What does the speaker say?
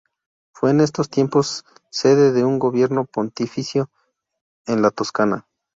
Fue en estos tiempos sede de un gobierno pontificio en la Toscana.